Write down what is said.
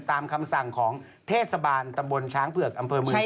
ตามคำสั่งของเทศบาลตะบลช้างเปลือกอำเภอมือเชียงไหน